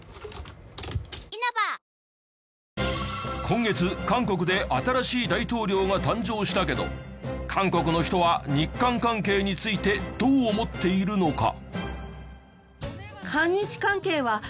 今月韓国で新しい大統領が誕生したけど韓国の人は日韓関係についてどう思っているのか？